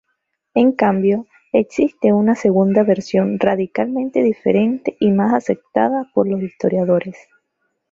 En cambio, existe una segunda versión radicalmente diferente y más aceptada por los historiadores.